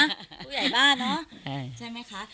ผู้ใหญ่บ้านเนอะใช่ไหมคะ